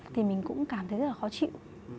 thì mình cũng cảm thấy rất là khó chịu